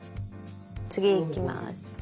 次いきます。